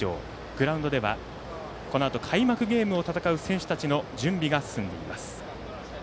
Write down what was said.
グラウンドでは、このあと開幕ゲームを戦う選手たちの準備が進んでいます。